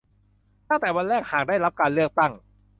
ตั้งแต่วันแรกหากได้รับการเลือกตั้ง